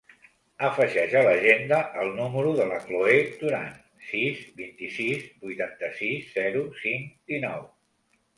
Afegeix a l'agenda el número de la Cloè Duran: sis, vint-i-sis, vuitanta-sis, zero, cinc, dinou.